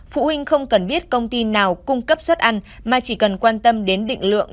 phụ huynh không cần biết công ty nào cung cấp suất ăn mà chỉ cần quan tâm đến định lượng